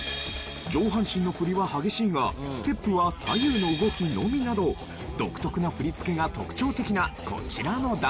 上半身の振りは激しいがステップは左右の動きのみなど独特な振り付けが特徴的なこちらのダンス。